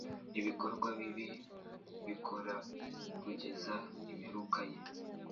Ibikorwa bibi bikorakugeza imperuka ye